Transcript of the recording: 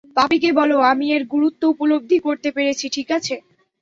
পাপিকে বলো, আমি এর গুরুত্ব উপলব্ধি করতে পেরেছি, ঠিক আছে?